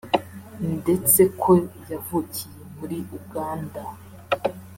ndetse ko yavukiye muri Uganda